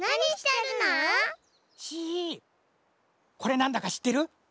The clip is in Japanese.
これなんだかしってる？